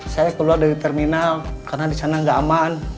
saya keluar dari terminal karena disana gak aman